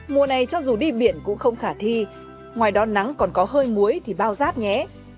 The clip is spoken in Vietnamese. mùa này cho dù đi biển cũng không khả thi ngoài đó nắng còn có hơi muối thì bao rát nhé